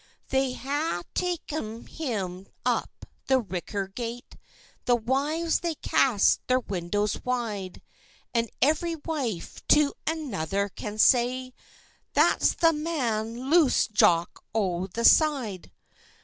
They hae ta'en him up the Ricker gate; The wives they cast their windows wide; And every wife to anither can say, "That's the man loos'd Jock o' the Side!"